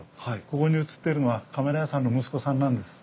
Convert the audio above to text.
ここに写ってるのはカメラ屋さんの息子さんなんです。